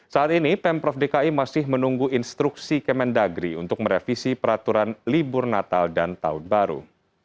saat ini pemprov dki masih menunggu instruksi kemendagri untuk merevisi peraturan libur natal dan tahun baru